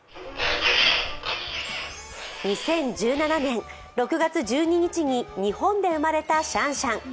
２０１７年６月１２日に日本で生まれたシャンシャン。